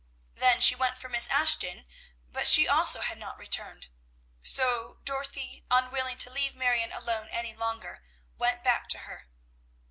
Then she went for Miss Ashton, but she also had not returned. So Dorothy, unwilling to leave Marion alone any longer, went back to her.